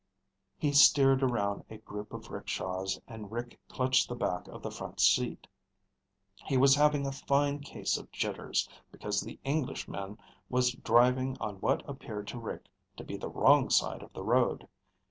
He steered around a group of rickshaws and Rick clutched the back of the front seat. He was having a fine case of jitters, because the Englishman was driving on what appeared to Rick to be the wrong side of the road.